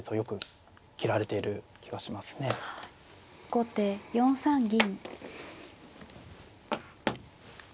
後手４三銀。